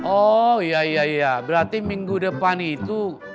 oh iya iya berarti minggu depan itu